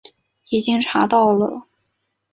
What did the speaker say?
已经查到了